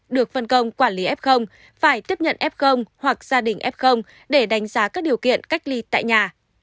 được phân công quản lý f phải tiếp nhận f hoặc gia đình f để đánh giá các điều kiện cách ly tại nhà